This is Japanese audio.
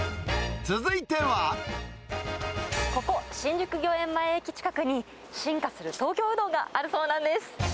ここ、新宿御苑前駅近くに進化する東京うどんがあるそうなんです。